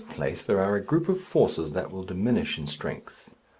In the first place, there are a group of forces that will diminish in strength.